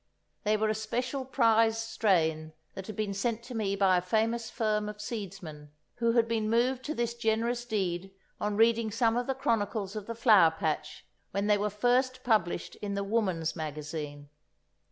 They were a special prize strain that had been sent to me by a famous firm of seedsmen, who had been moved to this generous deed on reading some of the chronicles of the Flower patch when they were first published in The Woman's Magazine.